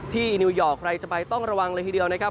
นิวยอร์กใครจะไปต้องระวังเลยทีเดียวนะครับ